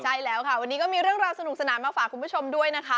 ใช่แล้วค่ะวันนี้ก็มีเรื่องราวสนุกสนานมาฝากคุณผู้ชมด้วยนะคะ